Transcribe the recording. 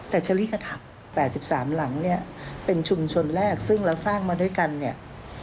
แต่เชอรี่กระถาป๘๓หลังเนี่ยเป็นชุมชนแรกซึ่งเราสร้างมาด้วยกันเนี่ย